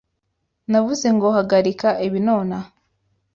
Navuze ngo hagarika ibi nonaha!